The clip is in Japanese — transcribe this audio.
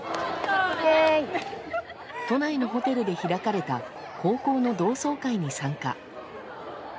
都内のホテルで開かれた高校の同窓会に参加。